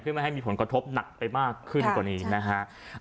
ไม่ให้มีผลกระทบหนักไปมากขึ้นกว่านี้นะฮะ